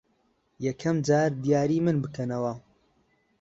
یەکەم جار دیاریی من بکەنەوە.